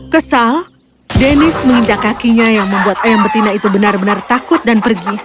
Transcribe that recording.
kesal denis menginjak kakinya yang membuat ayam betina itu benar benar takut dan pergi